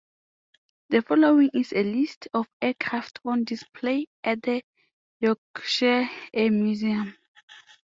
The following is a list of aircraft on display at the Yorkshire Air Museum.